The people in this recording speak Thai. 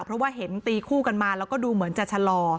เพราะว่าเห็นตีคู่กันมาแล้วก็ดูเหมือนจะชะลอ